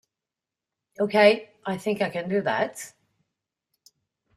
Okay, I think I can do that.